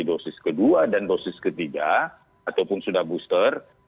dosis kedua dan dosis ketiga ataupun sudah booster